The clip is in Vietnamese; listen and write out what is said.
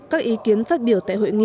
các ý kiến phát biểu tại huyện yên thế